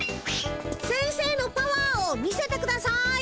先生のパワーを見せてください。